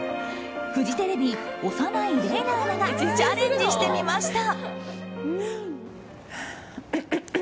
フジテレビ、小山内鈴奈アナがチャレンジしてみました。